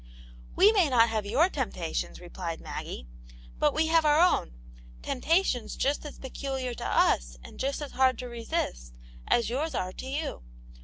"We may not have your temptations," replied Maggie, " but we have our own ; temptations just as peculiar to us and just as hard to resist, as yours are to you.